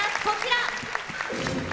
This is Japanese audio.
こちら。